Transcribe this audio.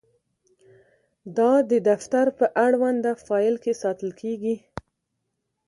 دا د دفتر په اړونده فایل کې ساتل کیږي.